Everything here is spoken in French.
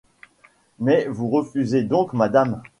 Mais vous refusez donc, madame ?